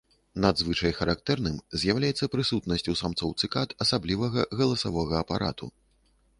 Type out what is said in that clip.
Надзвычай характэрным з'яўляецца прысутнасць у самцоў цыкад асаблівага галасавога апарату.